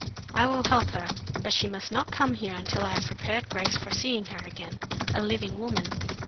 I will help her; but she must not come here until I have prepared Grace for seeing her again, a living woman.